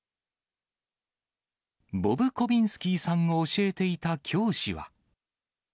ボブコビンスキーさんを教えていた教師は。